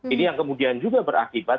ini yang kemudian juga berakibat